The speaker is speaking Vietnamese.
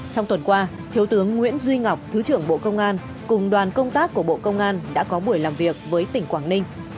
trong tuần qua thiếu tướng nguyễn duy ngọc thứ trưởng bộ công an cùng đoàn công tác của bộ công an đã có buổi làm việc với tỉnh quảng ninh